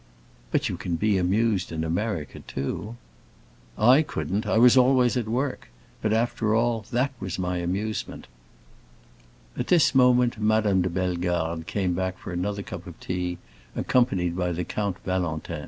"But you can be amused in America, too." "I couldn't; I was always at work. But after all, that was my amusement." At this moment Madame de Bellegarde came back for another cup of tea, accompanied by the Count Valentin.